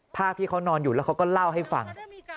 ภาพที่เขานอนอยู่แล้วเขาก็เล่าให้ฟัง